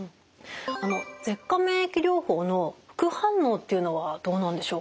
舌下免疫療法の副反応っていうのはどうなんでしょうか？